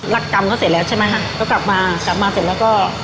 รักกรรมเขาเสร็จแล้วใช่ไหมคะก็กลับมากลับมาเสร็จแล้วก็